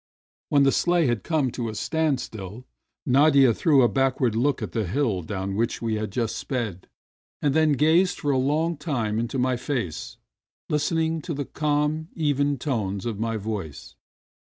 When the sleigh had come to a standstill, Nadia threw a backward look at the hill down which we had 82 RUSSIAN SILHOUETTES just sped, and then gazed for a long time into my face, listening to the calm, even tones of my voice.